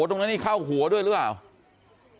ตรงนนี้เข้าหัวด้วยหรือหรอ